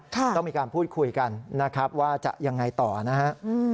ต้องมีการพูดคุยกันนะครับว่าจะยังไงต่อนะฮะ